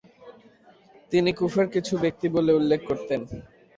তিনি "কুফার কিছু ব্যক্তি" বলে উল্লেখ করতেন।